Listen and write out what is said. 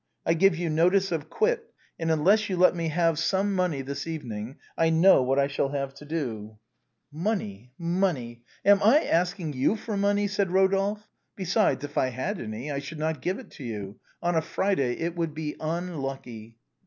I give you notice to quit, and unless you let me have some money this evening, I know what I shall have to do." " Money ! money ! Am I asking you for money !" said Eodolphe, " Besides, if I had any, I should not give it you. On a Friday, it would be unlucky."